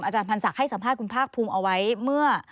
พันธ์ศักดิ์ให้สัมภาษณ์คุณภาคภูมิเอาไว้เมื่อ